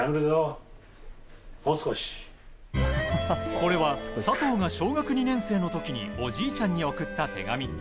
これは、佐藤が小学２年生の時におじいちゃんに送った手紙。